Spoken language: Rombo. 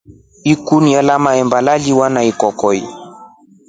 Ikunia la mahemba laliwa na ikokoi.